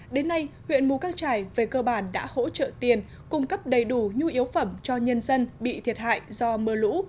đến nay huyện mù căng trải về cơ bản đã hỗ trợ tiền cung cấp đầy đủ nhu yếu phẩm cho nhân dân bị thiệt hại do mưa lũ